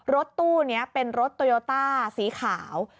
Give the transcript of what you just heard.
รถตู้นี้เป็นรถโตโยต้าสีขาว